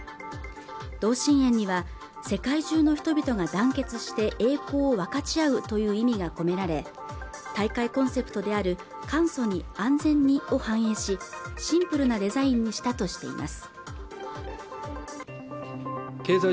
同心円には世界中の人々が団結して栄光を分かち合うという意味が込められ大会コンセプトである簡素に安全にを反映しシンプルなデザインにしたとしています